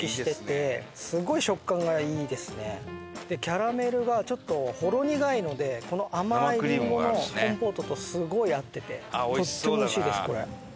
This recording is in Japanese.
キャラメルがちょっとほろ苦いのでこの甘いりんごのコンポートとすごい合っててとってもおいしいですこれ。